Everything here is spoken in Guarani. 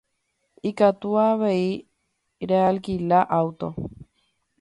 Ikatu avei realquila auto.